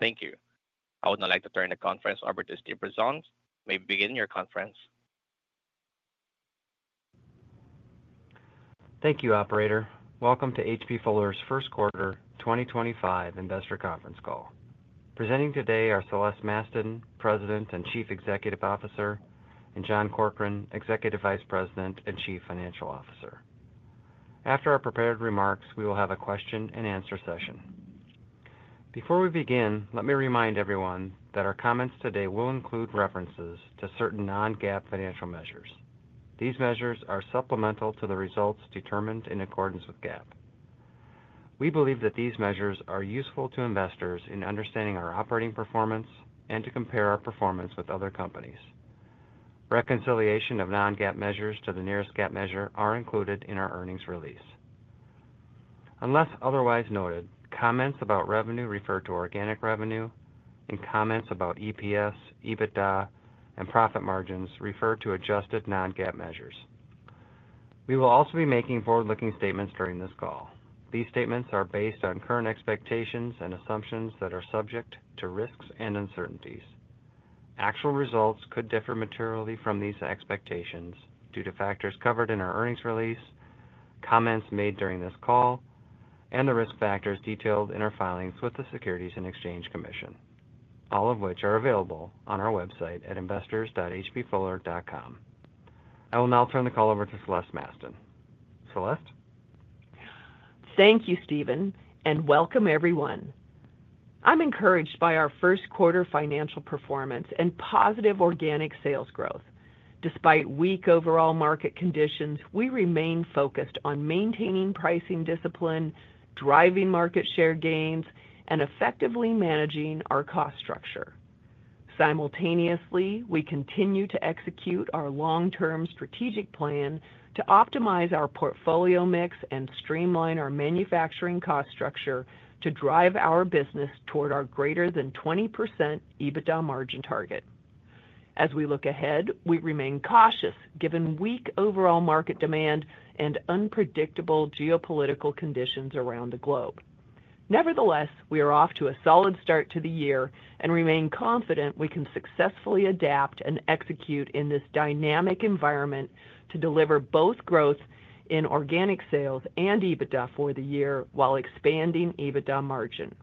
Thank you. I would now like to turn the conference over to Steve Brazones. May we begin your conference? Thank you, Operator. Welcome to H.B. Fuller's first quarter 2025 Industry conference call. Presenting today are Celeste Mastin, President and Chief Executive Officer, and John Corkrean, Executive Vice President and Chief Financial Officer. After our prepared remarks, we will have a question-and-answer session. Before we begin, let me remind everyone that our comments today will include references to certain non-GAAP financial measures. These measures are supplemental to the results determined in accordance with GAAP. We believe that these measures are useful to investors in understanding our operating performance and to compare our performance with other companies. Reconciliation of non-GAAP measures to the nearest GAAP measure is included in our earnings release. Unless otherwise noted, comments about revenue refer to organic revenue, and comments about EPS, EBITDA, and profit margins refer to adjusted non-GAAP measures. We will also be making forward-looking statements during this call. These statements are based on current expectations and assumptions that are subject to risks and uncertainties. Actual results could differ materially from these expectations due to factors covered in our earnings release, comments made during this call, and the risk factors detailed in our filings with the Securities and Exchange Commission, all of which are available on our website at investors.hbfuller.com. I will now turn the call over to Celeste Mastin. Celeste? Thank you, Steven, and welcome everyone. I'm encouraged by our first-quarter financial performance and positive organic sales growth. Despite weak overall market conditions, we remain focused on maintaining pricing discipline, driving market share gains, and effectively managing our cost structure. Simultaneously, we continue to execute our long-term strategic plan to optimize our portfolio mix and streamline our manufacturing cost structure to drive our business toward our greater-than-20% EBITDA margin target. As we look ahead, we remain cautious given weak overall market demand and unpredictable geopolitical conditions around the globe. Nevertheless, we are off to a solid start to the year and remain confident we can successfully adapt and execute in this dynamic environment to deliver both growth in organic sales and EBITDA for the year while expanding EBITDA margin.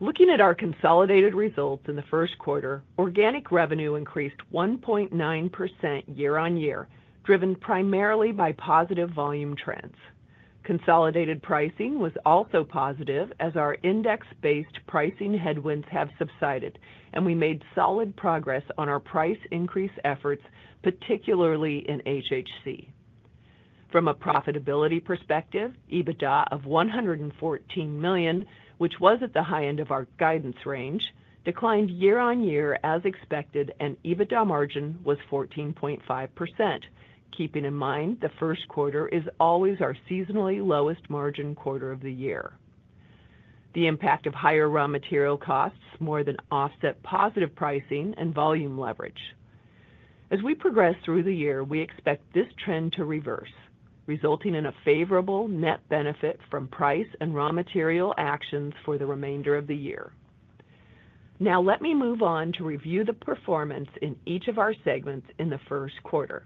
Looking at our consolidated results in the first quarter, organic revenue increased 1.9% year-on-year, driven primarily by positive volume trends. Consolidated pricing was also positive as our index-based pricing headwinds have subsided, and we made solid progress on our price increase efforts, particularly in HHC. From a profitability perspective, EBITDA of $114 million, which was at the high end of our guidance range, declined year-on-year as expected, and EBITDA margin was 14.5%, keeping in mind the first quarter is always our seasonally lowest margin quarter of the year. The impact of higher raw material costs more than offset positive pricing and volume leverage. As we progress through the year, we expect this trend to reverse, resulting in a favorable net benefit from price and raw material actions for the remainder of the year. Now, let me move on to review the performance in each of our segments in the first quarter.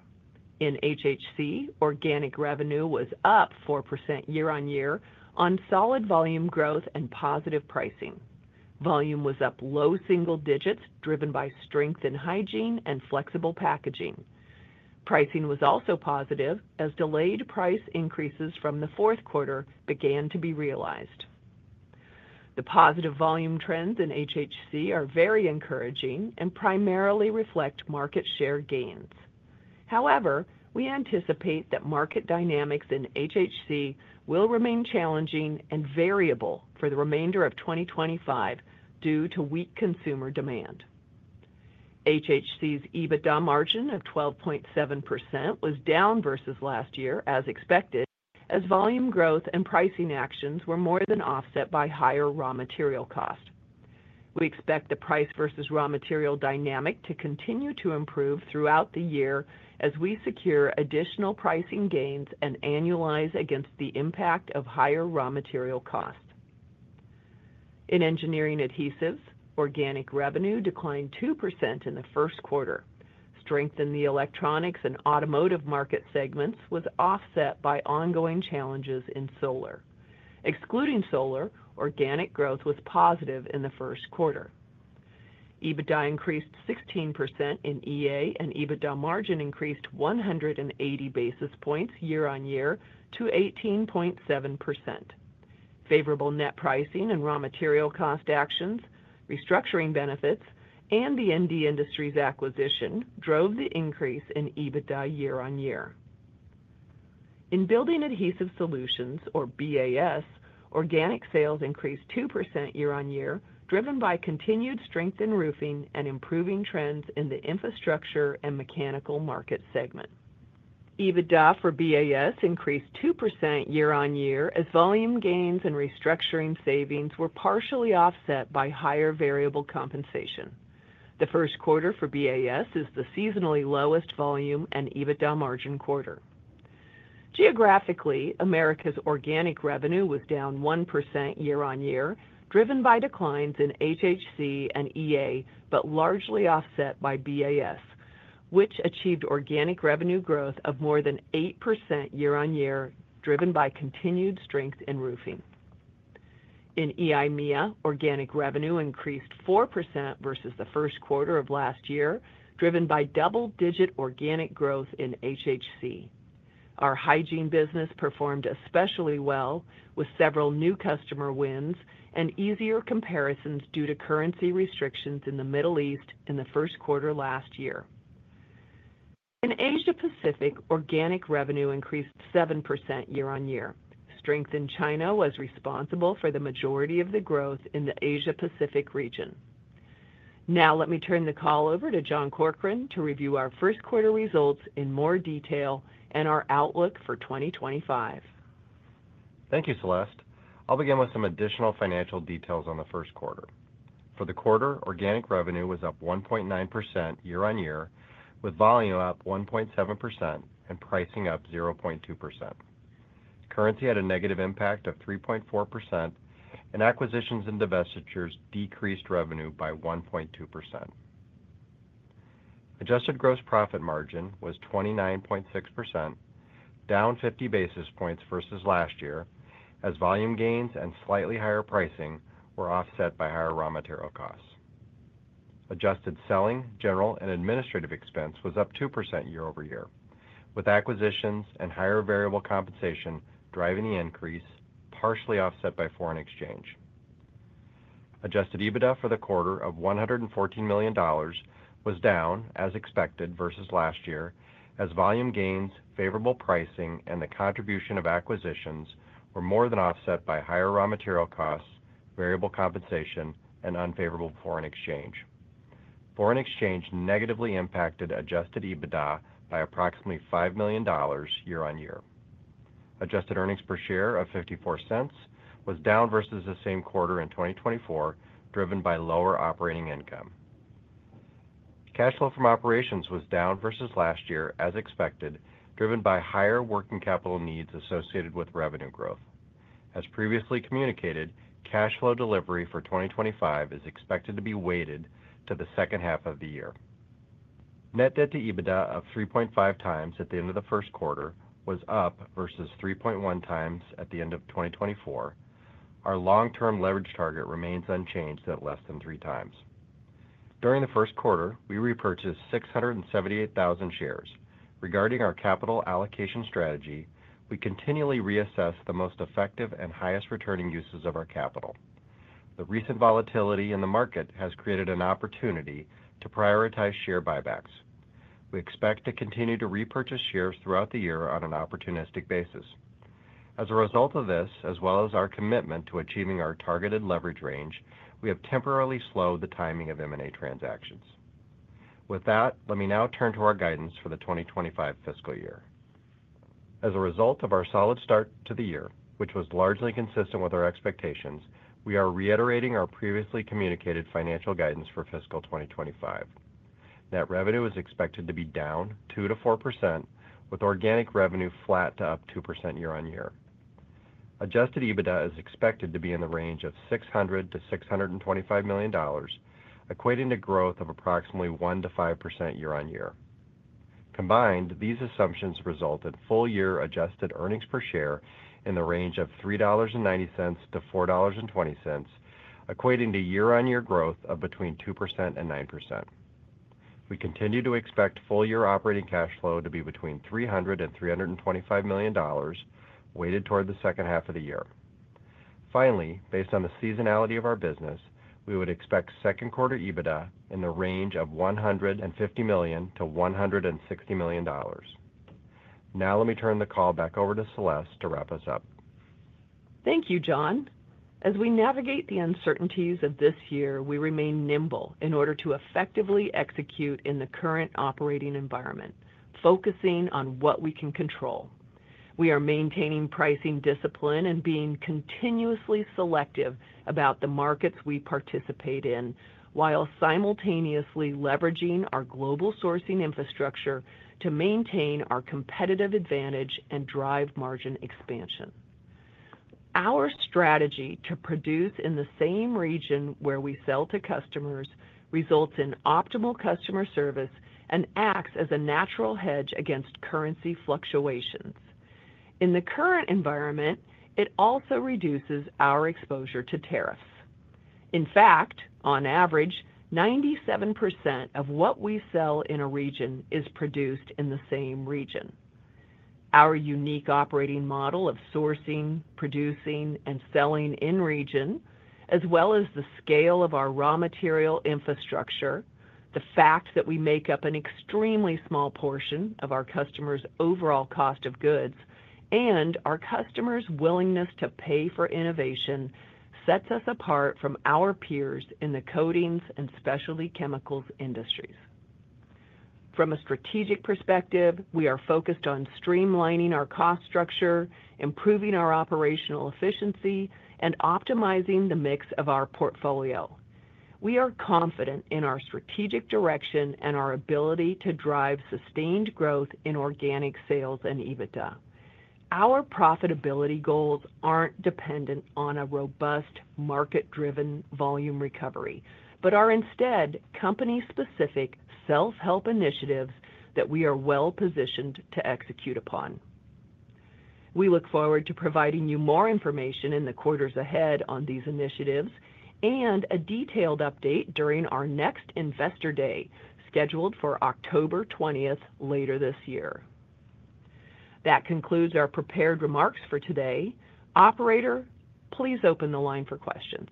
In HHC, organic revenue was up 4% year-on-year on solid volume growth and positive pricing. Volume was up low single digits, driven by strength in hygiene and flexible packaging. Pricing was also positive as delayed price increases from the fourth quarter began to be realized. The positive volume trends in HHC are very encouraging and primarily reflect market share gains. However, we anticipate that market dynamics in HHC will remain challenging and variable for the remainder of 2025 due to weak consumer demand. HHC's EBITDA margin of 12.7% was down versus last year, as expected, as volume growth and pricing actions were more than offset by higher raw material cost. We expect the price versus raw material dynamic to continue to improve throughout the year as we secure additional pricing gains and annualize against the impact of higher raw material cost. In engineering adhesives, organic revenue declined 2% in the first quarter. Strength in the electronics and automotive market segments was offset by ongoing challenges in solar. Excluding solar, organic growth was positive in the first quarter. EBITDA increased 16% in EA, and EBITDA margin increased 180 basis points year-on-year to 18.7%. Favorable net pricing and raw material cost actions, restructuring benefits, and the ND Industries acquisition drove the increase in EBITDA year-on-year. In Building Adhesive Solutions, or BAS, organic sales increased 2% year-on-year, driven by continued strength in roofing and improving trends in the infrastructure and mechanical market segment. EBITDA for BAS increased 2% year-on-year as volume gains and restructuring savings were partially offset by higher variable compensation. The first quarter for BAS is the seasonally lowest volume and EBITDA margin quarter. Geographically, Americas organic revenue was down 1% year-on-year, driven by declines in HHC and EA but largely offset by BAS, which achieved organic revenue growth of more than 8% year-on-year, driven by continued strength in roofing. In EMEA, organic revenue increased 4% versus the first quarter of last year, driven by double-digit organic growth in HHC. Our hygiene business performed especially well, with several new customer wins and easier comparisons due to currency restrictions in the Middle East in the first quarter last year. In Asia-Pacific, organic revenue increased 7% year-on-year. Strength in China was responsible for the majority of the growth in the Asia-Pacific region. Now, let me turn the call over to John Corkrean to review our first-quarter results in more detail and our outlook for 2025. Thank you, Celeste. I'll begin with some additional financial details on the first quarter. For the quarter, organic revenue was up 1.9% year-on-year, with volume up 1.7% and pricing up 0.2%. Currency had a negative impact of 3.4%, and acquisitions and divestitures decreased revenue by 1.2%. Adjusted gross profit margin was 29.6%, down 50 basis points versus last year, as volume gains and slightly higher pricing were offset by higher raw material costs. Adjusted selling, general, and administrative expense was up 2% year-over-year, with acquisitions and higher variable compensation driving the increase, partially offset by foreign exchange. Adjusted EBITDA for the quarter of $114 million was down, as expected, versus last year, as volume gains, favorable pricing, and the contribution of acquisitions were more than offset by higher raw material costs, variable compensation, and unfavorable foreign exchange. Foreign exchange negatively impacted adjusted EBITDA by approximately $5 million year-on-year. Adjusted earnings per share of $0.54 was down versus the same quarter in 2024, driven by lower operating income. Cash flow from operations was down versus last year, as expected, driven by higher working capital needs associated with revenue growth. As previously communicated, cash flow delivery for 2025 is expected to be weighted to the second half of the year. Net debt to EBITDA of 3.5x at the end of the first quarter was up versus 3.1x at the end of 2024. Our long-term leverage target remains unchanged at less than 3x. During the first quarter, we repurchased 678,000 shares. Regarding our capital allocation strategy, we continually reassess the most effective and highest-returning uses of our capital. The recent volatility in the market has created an opportunity to prioritize share buybacks. We expect to continue to repurchase shares throughout the year on an opportunistic basis. As a result of this, as well as our commitment to achieving our targeted leverage range, we have temporarily slowed the timing of M&A transactions. With that, let me now turn to our guidance for the 2025 fiscal year. As a result of our solid start to the year, which was largely consistent with our expectations, we are reiterating our previously communicated financial guidance for fiscal 2025. Net revenue is expected to be down 2%-4%, with organic revenue flat to up 2% year-on-year. Adjusted EBITDA is expected to be in the range of $600 million-$625 million, equating to growth of approximately 1%-5% year-on-year. Combined, these assumptions result in full-year adjusted earnings per share in the range of $3.90-$4.20, equating to year-on-year growth of between 2% and 9%. We continue to expect full-year operating cash flow to be between $300 million and $325 million, weighted toward the second half of the year. Finally, based on the seasonality of our business, we would expect second-quarter EBITDA in the range of $150 million-$160 million. Now, let me turn the call back over to Celeste to wrap us up. Thank you, John. As we navigate the uncertainties of this year, we remain nimble in order to effectively execute in the current operating environment, focusing on what we can control. We are maintaining pricing discipline and being continuously selective about the markets we participate in while simultaneously leveraging our global sourcing infrastructure to maintain our competitive advantage and drive margin expansion. Our strategy to produce in the same region where we sell to customers results in optimal customer service and acts as a natural hedge against currency fluctuations. In the current environment, it also reduces our exposure to tariffs. In fact, on average, 97% of what we sell in a region is produced in the same region. Our unique operating model of sourcing, producing, and selling in region, as well as the scale of our raw material infrastructure, the fact that we make up an extremely small portion of our customers' overall cost of goods, and our customers' willingness to pay for innovation sets us apart from our peers in the coatings and specialty chemicals industries. From a strategic perspective, we are focused on streamlining our cost structure, improving our operational efficiency, and optimizing the mix of our portfolio. We are confident in our strategic direction and our ability to drive sustained growth in organic sales and EBITDA. Our profitability goals aren't dependent on a robust market-driven volume recovery but are instead company-specific self-help initiatives that we are well-positioned to execute upon. We look forward to providing you more information in the quarters ahead on these initiatives and a detailed update during our next investor day scheduled for October 20 later this year. That concludes our prepared remarks for today. Operator, please open the line for questions.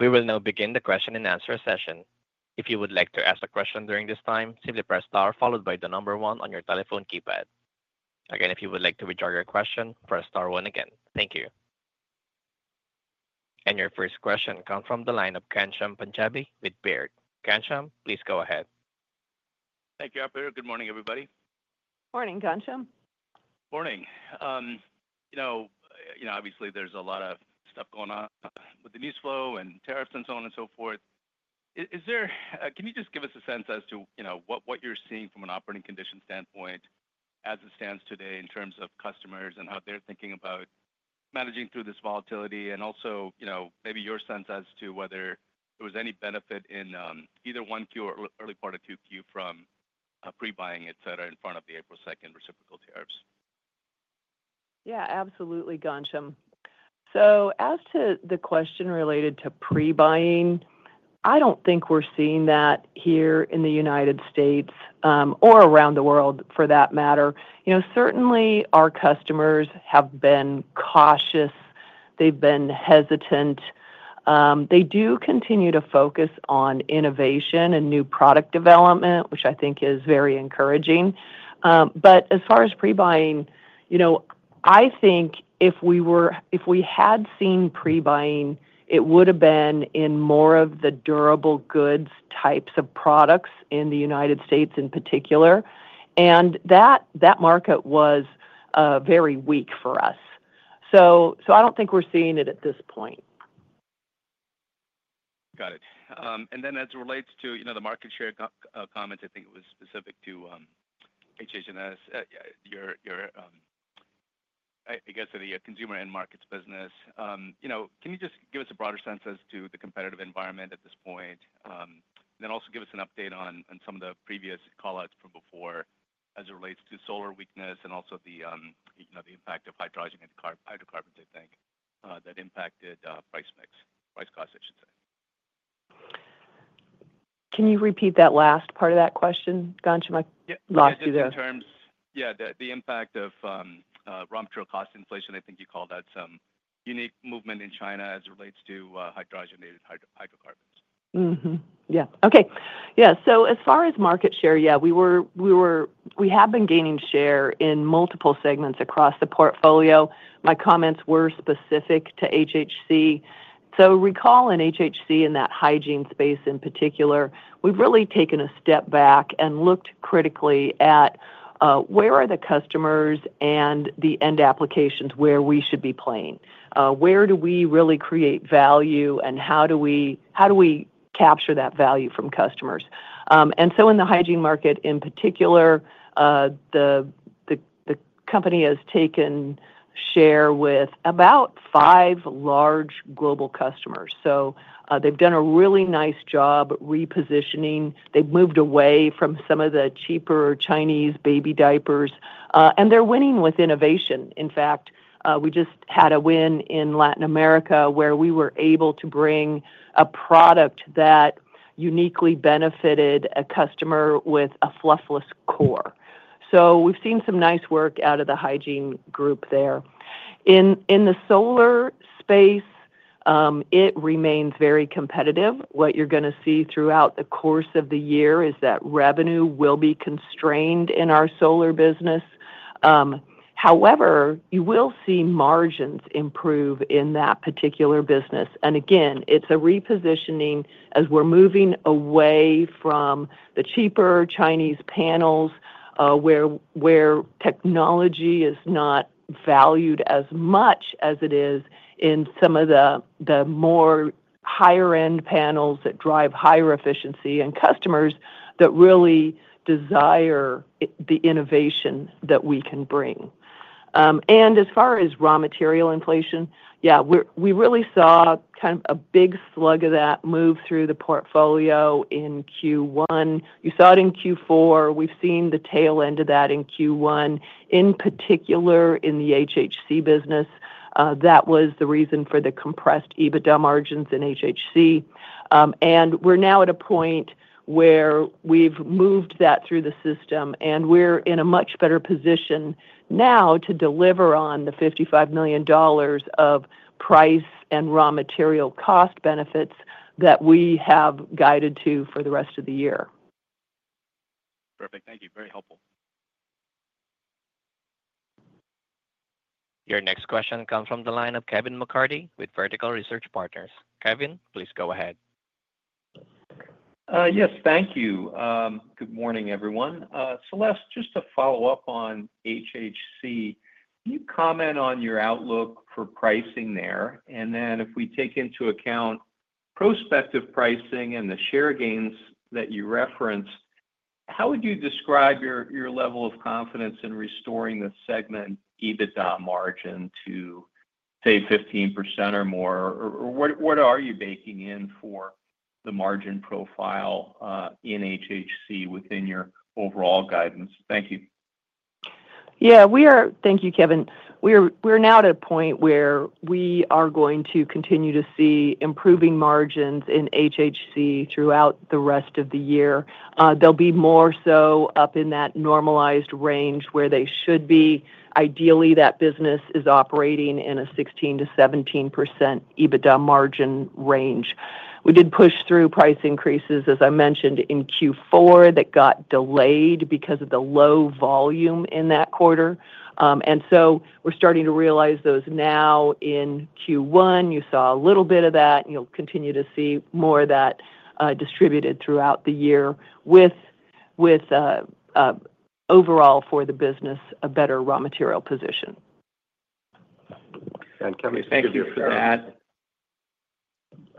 We will now begin the question and answer session. If you would like to ask a question during this time, simply press star followed by the number one on your telephone keypad. Again, if you would like to withdraw your question, press star one again. Thank you. Your first question comes from the line of Ghansham Panjabi with Baird. Ghansham, please go ahead. Thank you, Operator. Good morning, everybody. Morning, Ghansham. Morning. You know, obviously, there's a lot of stuff going on with the news flow and tariffs and so on and so forth. Can you just give us a sense as to what you're seeing from an operating condition standpoint as it stands today in terms of customers and how they're thinking about managing through this volatility? Also, maybe your sense as to whether there was any benefit in either 1Q or early part of 2Q from pre-buying, etc., in front of the April 2nd reciprocal tariffs? Yeah, absolutely, Ghansham. As to the question related to pre-buying, I do not think we are seeing that here in the United States or around the world, for that matter. Certainly, our customers have been cautious. They have been hesitant. They do continue to focus on innovation and new product development, which I think is very encouraging. As far as pre-buying, I think if we had seen pre-buying, it would have been in more of the durable goods types of products in the United States in particular. That market was very weak for us. I do not think we are seeing it at this point. Got it. As it relates to the market share comments, I think it was specific to HHC, I guess, in the consumer end markets business. Can you just give us a broader sense as to the competitive environment at this point? Also, give us an update on some of the previous callouts from before as it relates to solar weakness and the impact of hydrogen and hydrocarbons, I think, that impacted price mix, price cost, I should say. Can you repeat that last part of that question, Ghansham? Yeah, in terms of the impact of raw material cost inflation, I think you called out some unique movement in China as it relates to hydrogenated hydrocarbons. Yeah. Okay. Yeah. As far as market share, yeah, we have been gaining share in multiple segments across the portfolio. My comments were specific to HHC. Recalling HHC in that hygiene space in particular, we've really taken a step back and looked critically at where are the customers and the end applications where we should be playing? Where do we really create value, and how do we capture that value from customers? In the hygiene market in particular, the company has taken share with about five large global customers. They've done a really nice job repositioning. They've moved away from some of the cheaper Chinese baby diapers, and they're winning with innovation. In fact, we just had a win in Latin America where we were able to bring a product that uniquely benefited a customer with a fluffless core. We have seen some nice work out of the hygiene group there. In the solar space, it remains very competitive. What you are going to see throughout the course of the year is that revenue will be constrained in our solar business. However, you will see margins improve in that particular business. Again, it is a repositioning as we are moving away from the cheaper Chinese panels where technology is not valued as much as it is in some of the more higher-end panels that drive higher efficiency and customers that really desire the innovation that we can bring. As far as raw material inflation, yeah, we really saw kind of a big slug of that move through the portfolio in Q1. You saw it in Q4. We have seen the tail end of that in Q1, in particular in the HHC business. That was the reason for the compressed EBITDA margins in HHC. We are now at a point where we have moved that through the system, and we are in a much better position now to deliver on the $55 million of price and raw material cost benefits that we have guided to for the rest of the year. Perfect. Thank you. Very helpful. Your next question comes from the line of Kevin McCarthy with Vertical Research Partners. Kevin, please go ahead. Yes, thank you. Good morning, everyone. Celeste, just to follow-up on HHC, can you comment on your outlook for pricing there? If we take into account prospective pricing and the share gains that you referenced, how would you describe your level of confidence in restoring the segment EBITDA margin to, say, 15% or more? What are you baking in for the margin profile in HHC within your overall guidance? Thank you. Yeah. Thank you, Kevin. We're now at a point where we are going to continue to see improving margins in HHC throughout the rest of the year. They'll be more so up in that normalized range where they should be. Ideally, that business is operating in a 16%-17% EBITDA margin range. We did push through price increases, as I mentioned, in Q4 that got delayed because of the low volume in that quarter. We are starting to realize those now in Q1. You saw a little bit of that, and you'll continue to see more of that distributed throughout the year with, overall, for the business, a better raw material position. Kevin, thank you for that.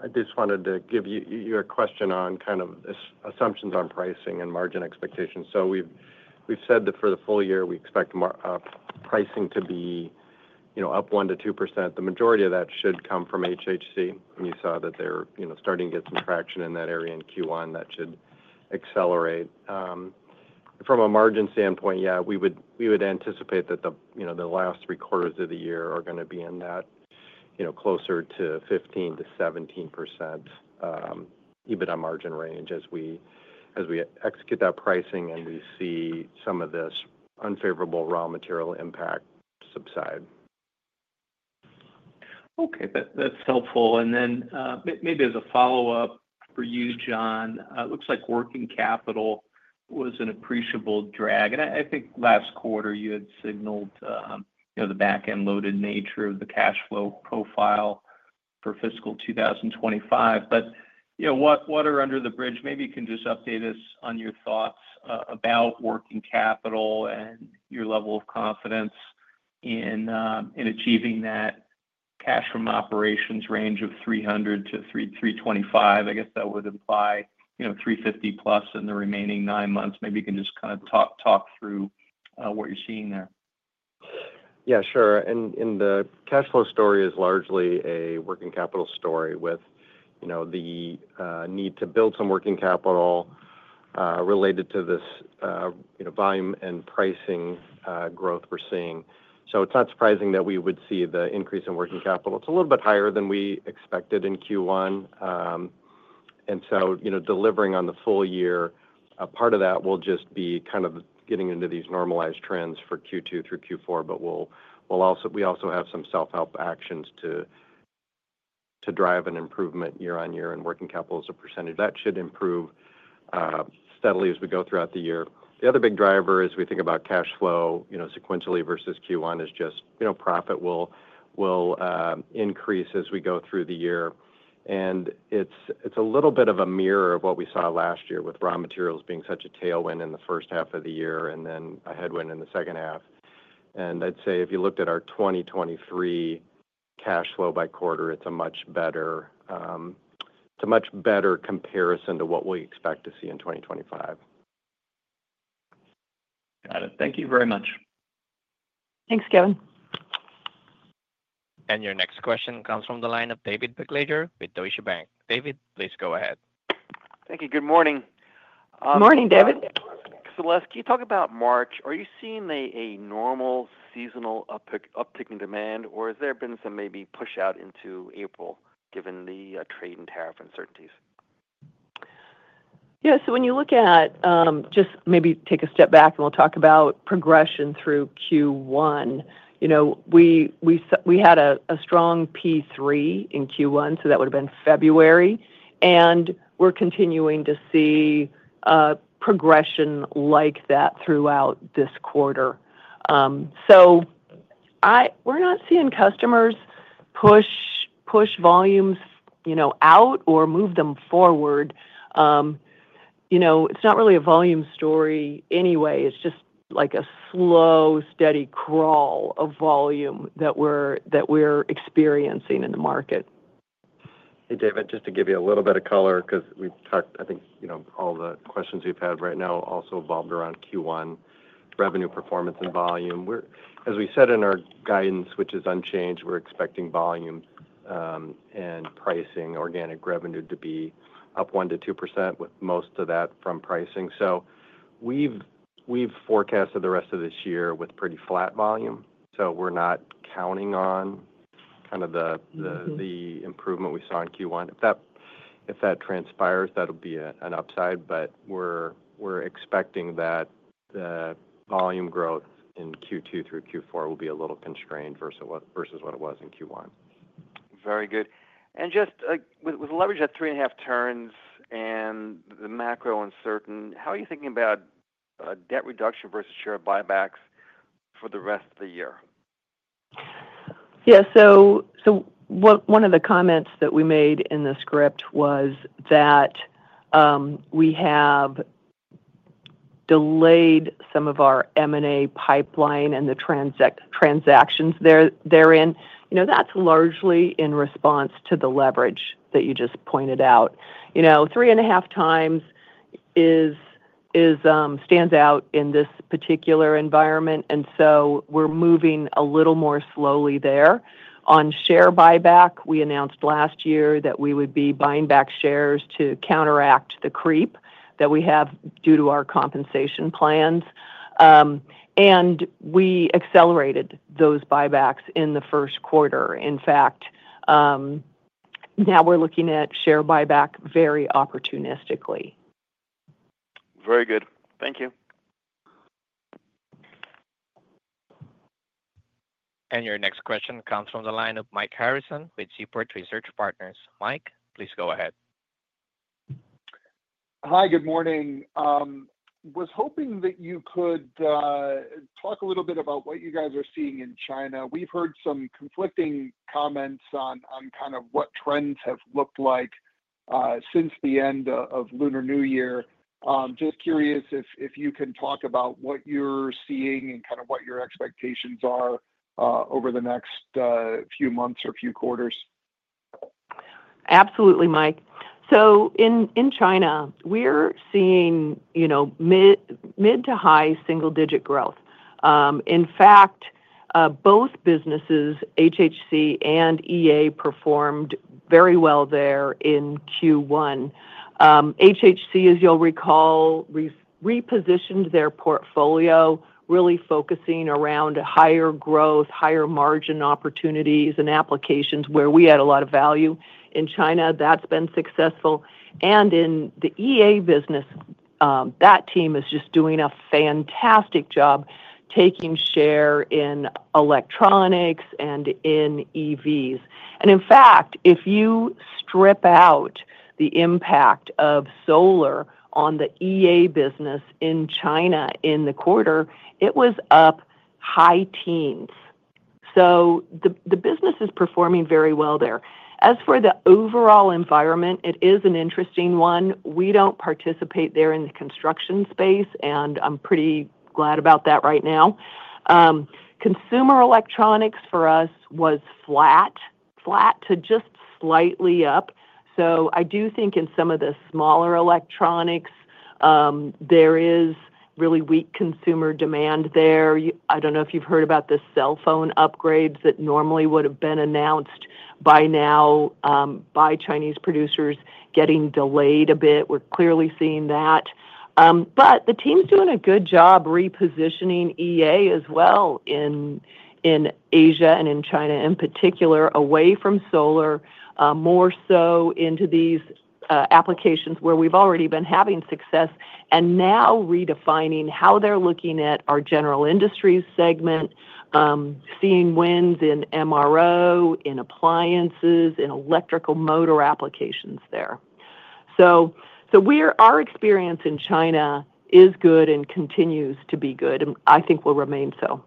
I just wanted to give you a question on kind of assumptions on pricing and margin expectations. We've said that for the full year, we expect pricing to be up 1%-2%. The majority of that should come from HHC. You saw that they're starting to get some traction in that area in Q1. That should accelerate. From a margin standpoint, yeah, we would anticipate that the last three quarters of the year are going to be in that closer to 15%-17% EBITDA margin range as we execute that pricing and we see some of this unfavorable raw material impact subside. Okay. That's helpful. Maybe as a follow-up for you, John, it looks like working capital was an appreciable drag. I think last quarter you had signaled the back-end loaded nature of the cash flow profile for fiscal 2025. Water under the bridge, maybe you can just update us on your thoughts about working capital and your level of confidence in achieving that cash from operations range of $300 million-$325 million. I guess that would imply $350 million plus in the remaining nine months. Maybe you can just kind of talk through what you're seeing there. Yeah, sure. The cash flow story is largely a working capital story with the need to build some working capital related to this volume and pricing growth we're seeing. It is not surprising that we would see the increase in working capital. It is a little bit higher than we expected in Q1. Delivering on the full year, part of that will just be kind of getting into these normalized trends for Q2 through Q4. We also have some self-help actions to drive an improvement year on year in working capital as a percentage. That should improve steadily as we go throughout the year. The other big driver as we think about cash flow sequentially versus Q1 is just profit will increase as we go through the year. It's a little bit of a mirror of what we saw last year with raw materials being such a tailwind in the first half of the year and then a headwind in the second half. I'd say if you looked at our 2023 cash flow by quarter, it's a much better comparison to what we expect to see in 2025. Got it. Thank you very much. Thanks, Kevin. Your next question comes from the line of David Begleiter with Deutsche Bank. David, please go ahead. Thank you. Good morning. Good morning, David. Celeste, can you talk about March? Are you seeing a normal seasonal uptick in demand, or has there been some maybe push out into April given the trade and tariff uncertainties? Yeah. When you look at just maybe take a step back and we'll talk about progression through Q1, we had a strong P3 in Q1, so that would have been February. We're continuing to see progression like that throughout this quarter. We're not seeing customers push volumes out or move them forward. It's not really a volume story anyway. It's just like a slow, steady crawl of volume that we're experiencing in the market. Hey, David, just to give you a little bit of color because we've talked, I think, all the questions we've had right now also revolve around Q1 revenue performance and volume. As we said in our guidance, which is unchanged, we're expecting volume and pricing, organic revenue to be up 1%-2% with most of that from pricing. We've forecasted the rest of this year with pretty flat volume. We're not counting on kind of the improvement we saw in Q1. If that transpires, that'll be an upside. We're expecting that the volume growth in Q2 through Q4 will be a little constrained versus what it was in Q1. Very good. Just with leverage at three and a half turns and the macro uncertain, how are you thinking about debt reduction versus share buybacks for the rest of the year? Yeah. One of the comments that we made in the script was that we have delayed some of our M&A pipeline and the transactions therein. That is largely in response to the leverage that you just pointed out. Three and a half times stands out in this particular environment. We are moving a little more slowly there. On share buyback, we announced last year that we would be buying back shares to counteract the creep that we have due to our compensation plans. We accelerated those buybacks in the first quarter. In fact, now we are looking at share buyback very opportunistically. Very good. Thank you. Your next question comes from the line of Mike Harrison with Seaport Research Partners. Mike, please go ahead. Hi, good morning. I was hoping that you could talk a little bit about what you guys are seeing in China. We've heard some conflicting comments on kind of what trends have looked like since the end of Lunar New Year. Just curious if you can talk about what you're seeing and kind of what your expectations are over the next few months or few quarters. Absolutely, Mike. In China, we're seeing mid to high single-digit growth. In fact, both businesses, HHC and EA, performed very well there in Q1. HHC, as you'll recall, repositioned their portfolio, really focusing around higher growth, higher margin opportunities and applications where we had a lot of value in China. That's been successful. In the EA business, that team is just doing a fantastic job taking share in electronics and in EVs. In fact, if you strip out the impact of solar on the EA business in China in the quarter, it was up high teens. The business is performing very well there. As for the overall environment, it is an interesting one. We don't participate there in the construction space, and I'm pretty glad about that right now. Consumer electronics for us was flat, flat to just slightly up. I do think in some of the smaller electronics, there is really weak consumer demand there. I don't know if you've heard about the cell phone upgrades that normally would have been announced by now by Chinese producers getting delayed a bit. We're clearly seeing that. The team's doing a good job repositioning EA as well in Asia and in China in particular, away from solar, more so into these applications where we've already been having success and now redefining how they're looking at our general industries segment, seeing wins in MRO, in appliances, in electrical motor applications there. Our experience in China is good and continues to be good, and I think will remain so.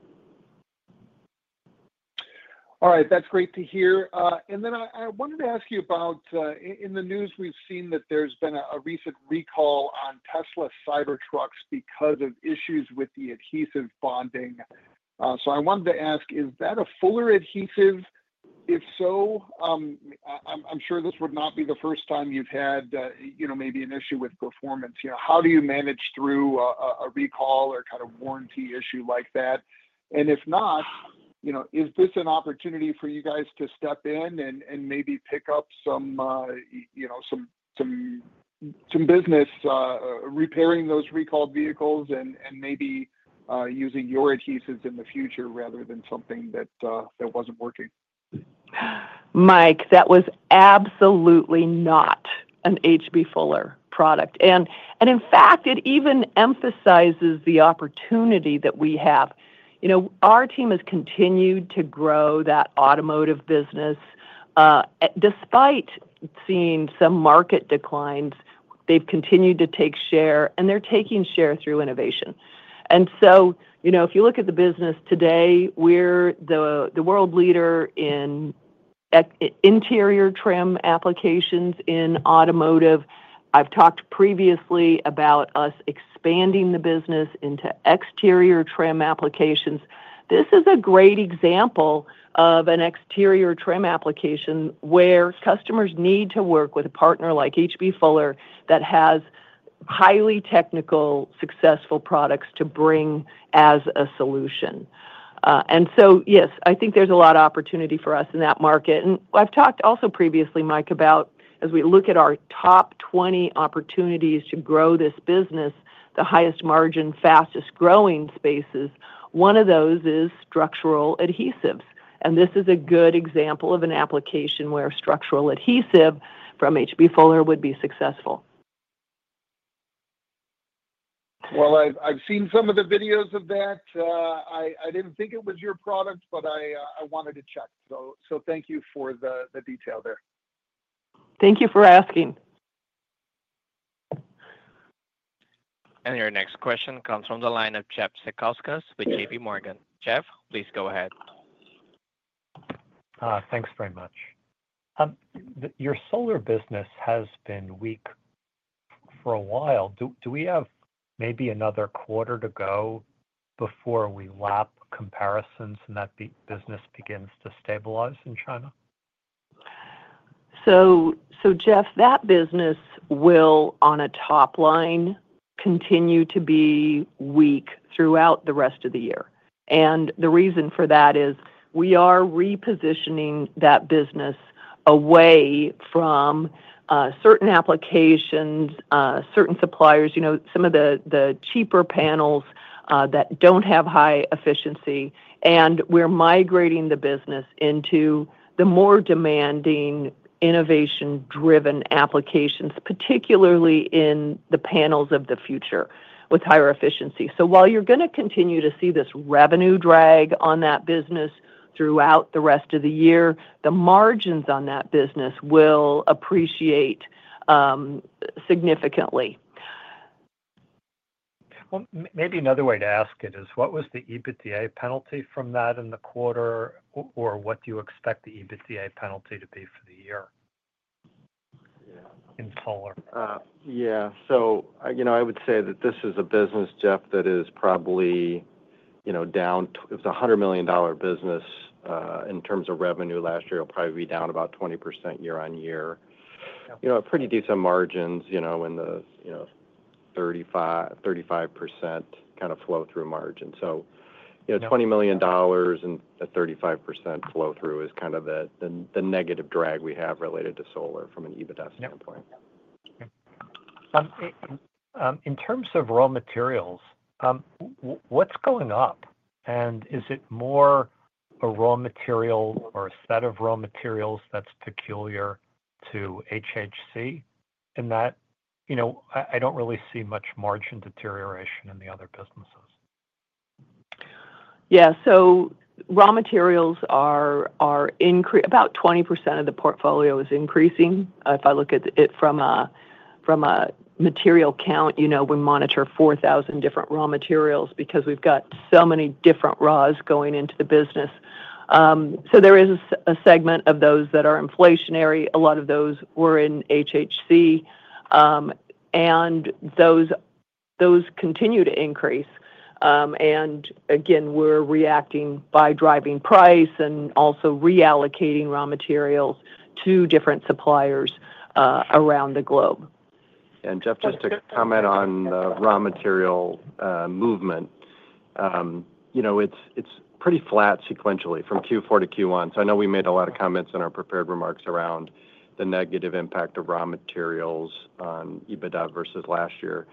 All right. That's great to hear. I wanted to ask you about in the news, we've seen that there's been a recent recall on Tesla Cybertrucks because of issues with the adhesive bonding. I wanted to ask, is that a Fuller adhesive? If so, I'm sure this would not be the first time you've had maybe an issue with performance. How do you manage through a recall or kind of warranty issue like that? If not, is this an opportunity for you guys to step in and maybe pick up some business repairing those recalled vehicles and maybe using your adhesives in the future rather than something that wasn't working? Mike, that was absolutely not an H.B. Fuller product. In fact, it even emphasizes the opportunity that we have. Our team has continued to grow that automotive business. Despite seeing some market declines, they've continued to take share, and they're taking share through innovation. If you look at the business today, we're the world leader in interior trim applications in automotive. I've talked previously about us expanding the business into exterior trim applications. This is a great example of an exterior trim application where customers need to work with a partner like H.B. Fuller that has highly technical, successful products to bring as a solution. Yes, I think there's a lot of opportunity for us in that market. I've talked also previously, Mike, about as we look at our top 20 opportunities to grow this business, the highest margin, fastest growing spaces, one of those is structural adhesives. This is a good example of an application where structural adhesive from H.B. Fuller would be successful. I've seen some of the videos of that. I didn't think it was your product, but I wanted to check. Thank you for the detail there. Thank you for asking. Your next question comes from the line of Jeff Zekauskas with JPMorgan. Jeff, please go ahead. Thanks very much. Your solar business has been weak for a while. Do we have maybe another quarter to go before we lap comparisons and that the business begins to stabilize in China? Jeff, that business will, on a top line, continue to be weak throughout the rest of the year. The reason for that is we are repositioning that business away from certain applications, certain suppliers, some of the cheaper panels that do not have high efficiency. We are migrating the business into the more demanding innovation-driven applications, particularly in the panels of the future with higher efficiency. While you are going to continue to see this revenue drag on that business throughout the rest of the year, the margins on that business will appreciate significantly. Maybe another way to ask it is, what was the EBITDA penalty from that in the quarter, or what do you expect the EBITDA penalty to be for the year in solar? Yeah. I would say that this is a business, Jeff, that is probably down. It's a $100 million business. In terms of revenue last year, it'll probably be down about 20% year on year. Pretty decent margins in the 35% kind of flow-through margin. So $20 million and a 35% flow-through is kind of the negative drag we have related to solar from an EBITDA standpoint. In terms of raw materials, what's going up? Is it more a raw material or a set of raw materials that's peculiar to HHC in that I don't really see much margin deterioration in the other businesses? Yeah. Raw materials are about 20% of the portfolio is increasing. If I look at it from a material count, we monitor 4,000 different raw materials because we've got so many different raws going into the business. There is a segment of those that are inflationary. A lot of those were in HHC, and those continue to increase. Again, we're reacting by driving price and also reallocating raw materials to different suppliers around the globe. Jeff, just to comment on the raw material movement, it's pretty flat sequentially from Q4 to Q1. I know we made a lot of comments in our prepared remarks around the negative impact of raw materials on EBITDA versus last year.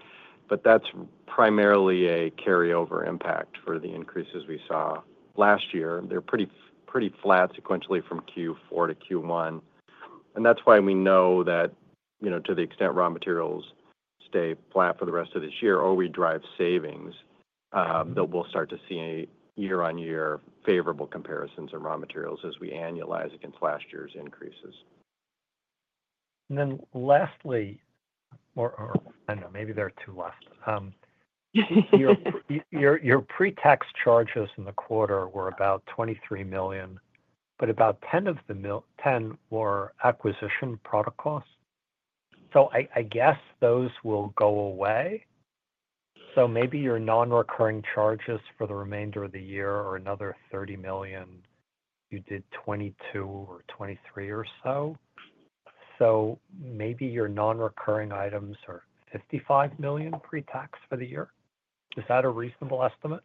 That's primarily a carryover impact for the increases we saw last year. They're pretty flat sequentially from Q4 to Q1. That's why we know that to the extent raw materials stay flat for the rest of this year or we drive savings, we'll start to see year-on-year favorable comparisons in raw materials as we annualize against last year's increases. Lastly, or maybe there are two left. Your pre-tax charges in the quarter were about $23 million, but about $10 million of the $23 million were acquisition product costs. I guess those will go away. Maybe your non-recurring charges for the remainder of the year are another $30 million. You did $22 million or $23 million or so. Maybe your non-recurring items are $55 million pre-tax for the year. Is that a reasonable estimate?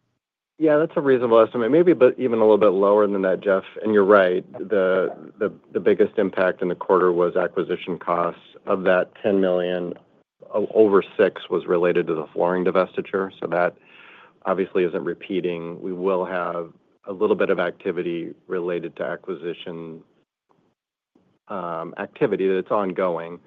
Yeah, that's a reasonable estimate. Maybe even a little bit lower than that, Jeff. You're right. The biggest impact in the quarter was acquisition costs. Of that $10 million, over $6 million was related to the flooring divestiture. That obviously isn't repeating. We will have a little bit of activity related to acquisition activity that's ongoing.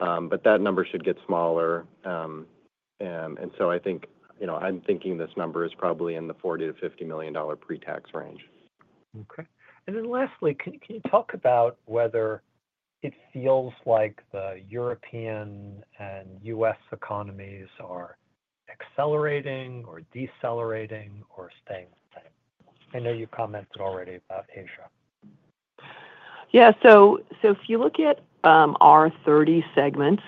That number should get smaller. I think I'm thinking this number is probably in the $40 million-$50 million pre-tax range. Okay. Lastly, can you talk about whether it feels like the European and U.S. economies are accelerating or decelerating or staying the same? I know you commented already about Asia. Yeah. If you look at our 30 segments,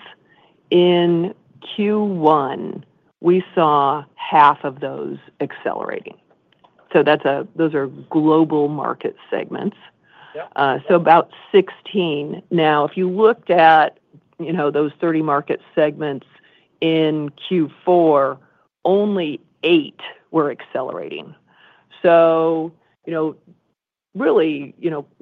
in Q1, we saw half of those accelerating. Those are global market segments, so about 16. If you looked at those 30 market segments in Q4, only 8 were accelerating. Really,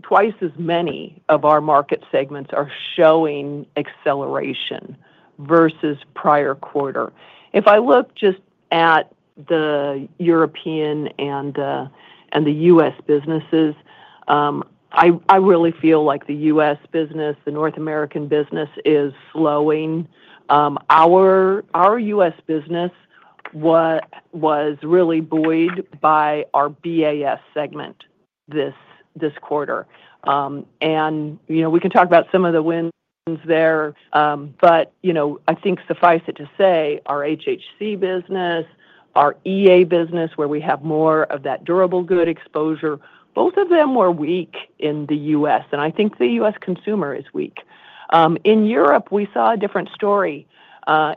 twice as many of our market segments are showing acceleration versus prior quarter. If I look just at the European and the U.S. businesses, I really feel like the U.S. business, the North American business is slowing. Our U.S. business was really buoyed by our BAS segment this quarter. We can talk about some of the wins there, but I think suffice it to say our HHC business, our EA business, where we have more of that durable good exposure, both of them were weak in the U.S. I think the U.S. consumer is weak. In Europe, we saw a different story.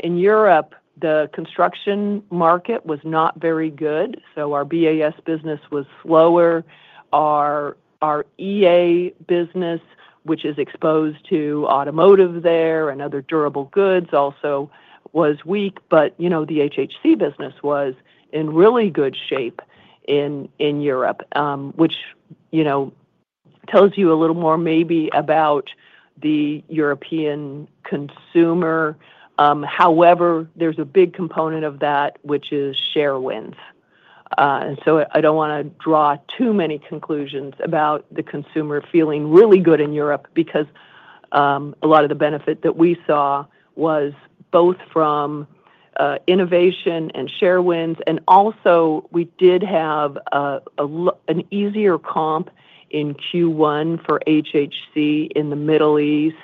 In Europe, the construction market was not very good. Our BAS business was slower. Our EA business, which is exposed to automotive there and other durable goods, also was weak. The HHC business was in really good shape in Europe, which tells you a little more maybe about the European consumer. However, there is a big component of that, which is share wins. I do not want to draw too many conclusions about the consumer feeling really good in Europe because a lot of the benefit that we saw was both from innovation and share wins. We did have an easier comp in Q1 for HHC in the Middle East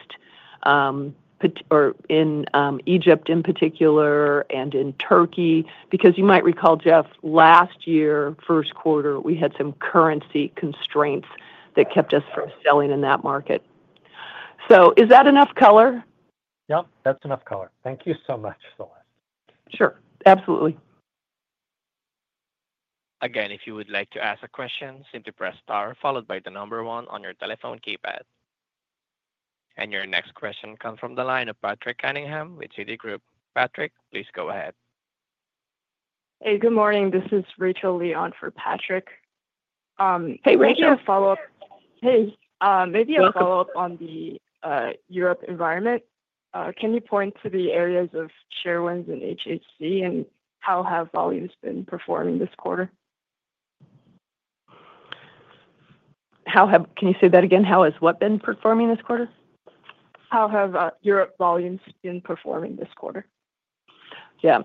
or in Egypt in particular and in Turkey. You might recall, Jeff, last year, first quarter, we had some currency constraints that kept us from selling in that market. Is that enough color? Yep. That's enough color. Thank you so much, Celeste. Sure. Absolutely. Again, if you would like to ask a question, simply press star, followed by the number one on your telephone keypad. Your next question comes from the line of Patrick Cunningham with Citigroup. Patrick, please go ahead. Hey, good morning. This is Rachael Lee on for Patrick. Hey, Rachael. Maybe a follow-up. Hey. Maybe a follow-up on the Europe environment. Can you point to the areas of share wins in HHC and how have volumes been performing this quarter? Can you say that again? How has what been performing this quarter? How have Europe volumes been performing this quarter? Yeah.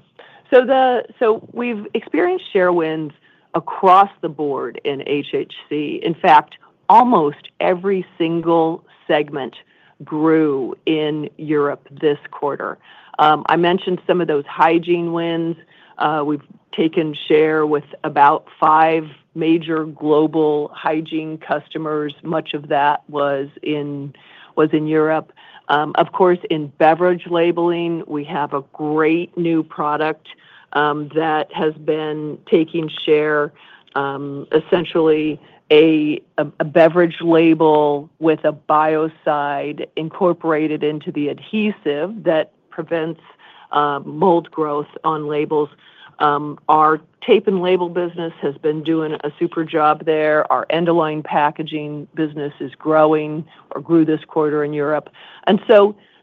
We've experienced share wins across the board in HHC. In fact, almost every single segment grew in Europe this quarter. I mentioned some of those hygiene wins. We've taken share with about five major global hygiene customers. Much of that was in Europe. Of course, in beverage labeling, we have a great new product that has been taking share, essentially a beverage label with a biocide incorporated into the adhesive that prevents mold growth on labels. Our tape and label business has been doing a super job there. Our end-of-line packaging business is growing or grew this quarter in Europe.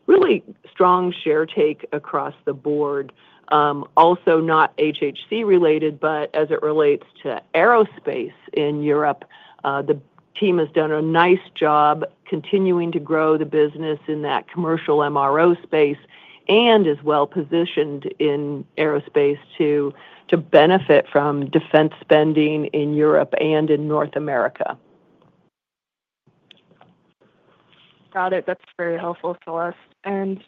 Really strong share take across the board. Also, not HHC related, but as it relates to aerospace in Europe, the team has done a nice job continuing to grow the business in that commercial MRO space and is well positioned in aerospace to benefit from defense spending in Europe and in North America. Got it. That is very helpful, Celeste. In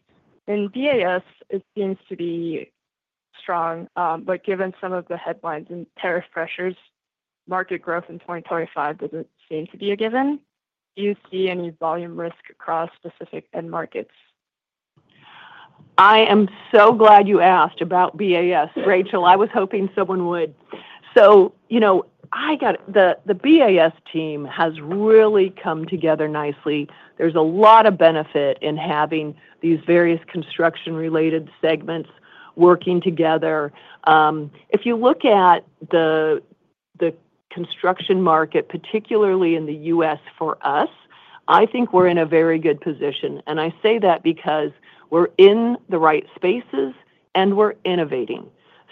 BAS, it seems to be strong. Given some of the headlines and tariff pressures, market growth in 2025 does not seem to be a given. Do you see any volume risk across specific end markets? I am so glad you asked about BAS, Rachael. I was hoping someone would. The BAS team has really come together nicely. There is a lot of benefit in having these various construction-related segments working together. If you look at the construction market, particularly in the U.S. for us, I think we are in a very good position. I say that because we are in the right spaces and we are innovating.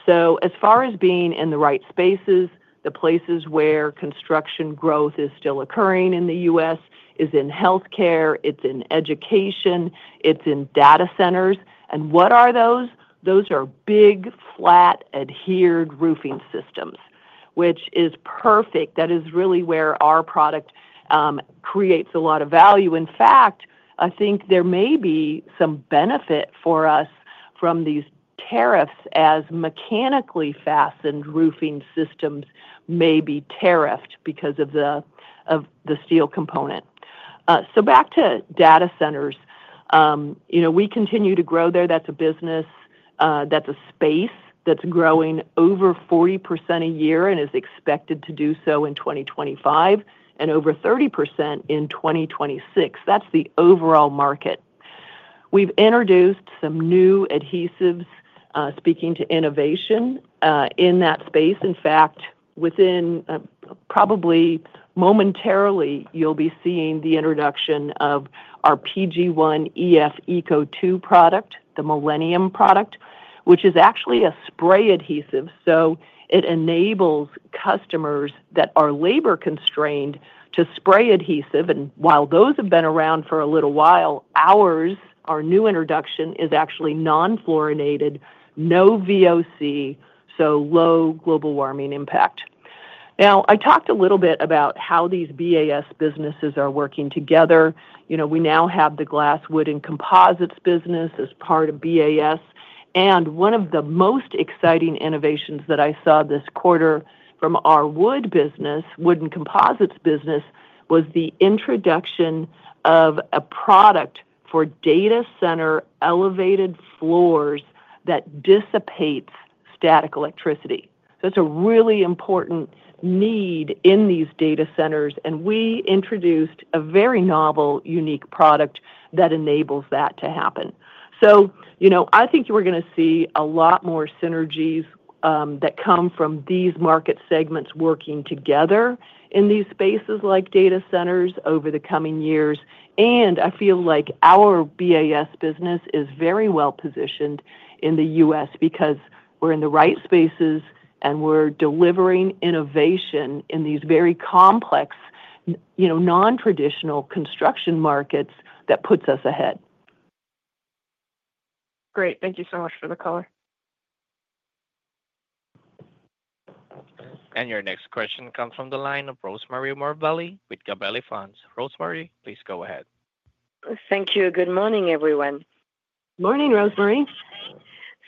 As far as being in the right spaces, the places where construction growth is still occurring in the U.S. is in healthcare, it is in education, it is in data centers. What are those? Those are big, flat, adhered roofing systems, which is perfect. That is really where our product creates a lot of value. In fact, I think there may be some benefit for us from these tariffs as mechanically fastened roofing systems may be tariffed because of the steel component. Back to data centers. We continue to grow there. That's a business. That's a space that's growing over 40% a year and is expected to do so in 2025 and over 30% in 2026. That's the overall market. We've introduced some new adhesives, speaking to innovation in that space. In fact, within probably momentarily, you'll be seeing the introduction of our PG-1 EF ECO2 product, the Millennium product, which is actually a spray adhesive. It enables customers that are labor constrained to spray adhesive. While those have been around for a little while, our new introduction is actually non-fluorinated, no VOC, so low global warming impact. Now, I talked a little bit about how these BAS businesses are working together. We now have the glass, wood, and composites business as part of BAS. One of the most exciting innovations that I saw this quarter from our wood business, wood and composites business, was the introduction of a product for data center elevated floors that dissipates static electricity. It is a really important need in these data centers. We introduced a very novel, unique product that enables that to happen. I think we are going to see a lot more synergies that come from these market segments working together in these spaces like data centers over the coming years. I feel like our BAS business is very well positioned in the U.S. because we are in the right spaces and we are delivering innovation in these very complex, non-traditional construction markets that puts us ahead. Great. Thank you so much for the color. Your next question comes from the line of Rosemarie Morbelli with Gabelli Funds. Rosemarie, please go ahead. Thank you. Good morning, everyone. Morning, Rosemarie.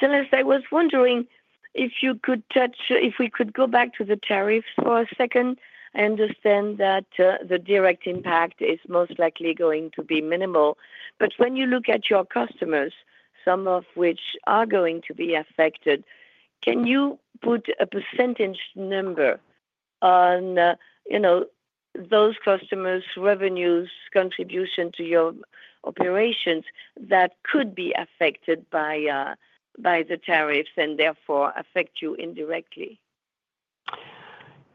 Celeste, I was wondering if you could touch if we could go back to the tariffs for a second. I understand that the direct impact is most likely going to be minimal. When you look at your customers, some of which are going to be affected, can you put a percentage number on those customers' revenues, contribution to your operations that could be affected by the tariffs and therefore affect you indirectly?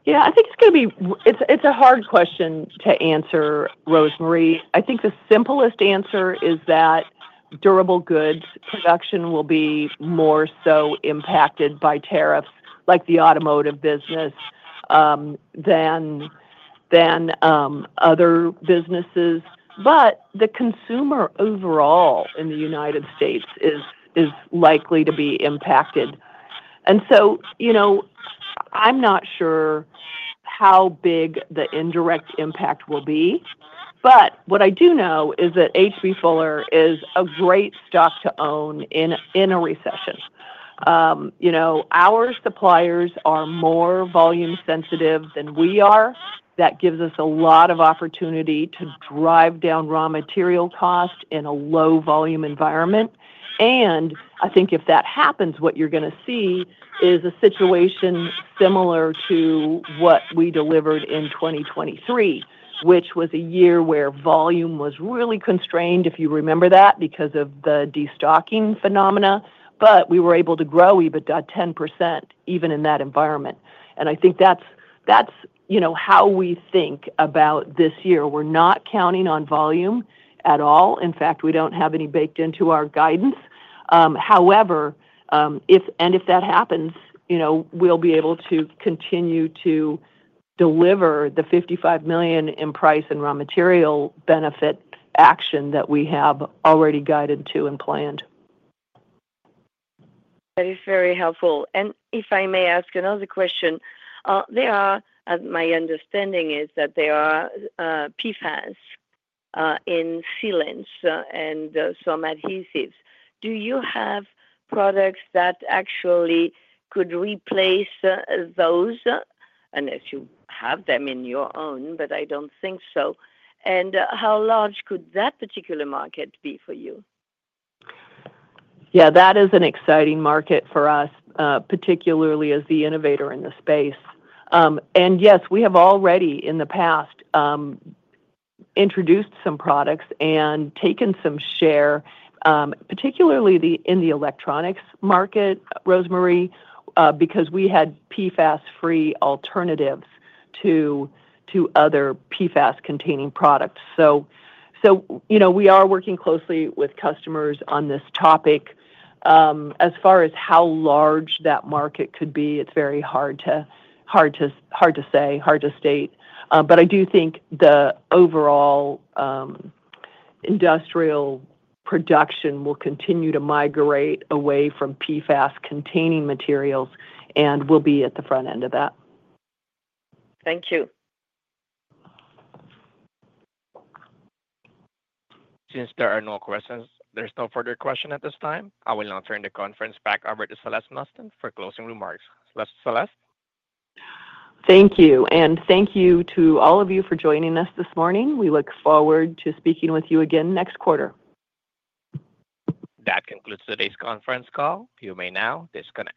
Yeah. I think it's going to be it's a hard question to answer, Rosemarie. I think the simplest answer is that durable goods production will be more so impacted by tariffs, like the automotive business, than other businesses. The consumer overall in the United States is likely to be impacted. I'm not sure how big the indirect impact will be. What I do know is that H.B. Fuller is a great stock to own in a recession. Our suppliers are more volume-sensitive than we are. That gives us a lot of opportunity to drive down raw material costs in a low-volume environment. I think if that happens, what you're going to see is a situation similar to what we delivered in 2023, which was a year where volume was really constrained, if you remember that, because of the destocking phenomena. We were able to grow even 10% even in that environment. I think that's how we think about this year. We're not counting on volume at all. In fact, we don't have any baked into our guidance. However, if that happens, we'll be able to continue to deliver the $55 million in price and raw material benefit action that we have already guided to and planned. That is very helpful. If I may ask another question, there are, my understanding is that there are PFAS in sealants and some adhesives. Do you have products that actually could replace those? Unless you have them in your own, but I do not think so. How large could that particular market be for you? Yeah, that is an exciting market for us, particularly as the innovator in the space. Yes, we have already in the past introduced some products and taken some share, particularly in the electronics market, Rosemarie, because we had PFAS-free alternatives to other PFAS-containing products. We are working closely with customers on this topic. As far as how large that market could be, it is very hard to say, hard to state. I do think the overall industrial production will continue to migrate away from PFAS-containing materials and we will be at the front end of that. Thank you. Since there are no questions, there's no further question at this time. I will now turn the conference back over to Celeste Mastin for closing remarks. Celeste? Thank you. Thank you to all of you for joining us this morning. We look forward to speaking with you again next quarter. That concludes today's conference call. You may now disconnect.